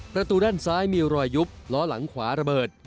ประตูด้านซ้ายมีรอยยุบล้อหลังขวาระเบิด